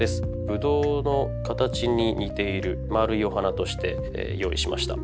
ブドウの形に似ている丸いお花として用意しました。